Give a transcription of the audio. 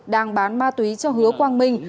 đang bán ma túy cho hứa quang minh